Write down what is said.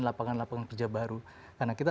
lapangan lapangan kerja baru karena kita